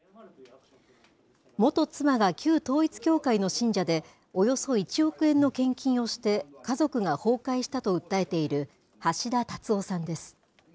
元妻が旧統一教会の信者で、およそ１億円の献金をして、家族が崩壊したと訴えている、橋田達夫さんです。